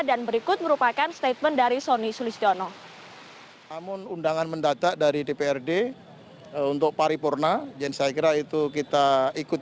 dan juga mengungkapkan bahwa ini adalah sebuah perjalanan yang sangat penting